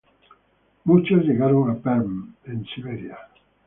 Muchos llegaron a Perm en Siberia.